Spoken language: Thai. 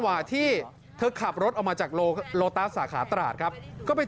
แผลที่เห็นเนี่ยแค่เธอเผลอไปเดินชนเสาสาธาริมทางก็เท่านั้นเอง